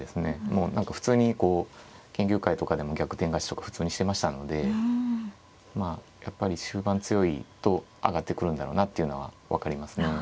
もう何か普通にこう研究会とかでも逆転勝ちとか普通にしてましたのでまあやっぱり終盤強いと上がってくるんだろうなっていうのは分かりますね。